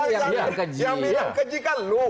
yang bilang keji kan lu